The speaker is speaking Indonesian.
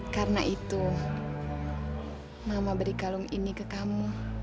karena itu mama beri kalung ini ke kamu